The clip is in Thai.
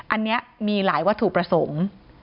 อันนี้มีหลายวัตถุประสงค์